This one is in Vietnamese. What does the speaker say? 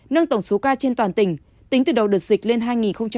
nâng tổng số ca trên toàn tỉnh tính từ đầu đợt dịch lên hai nghìn sáu mươi bốn